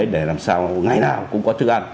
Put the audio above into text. để làm sao ngày nào cũng có thức ăn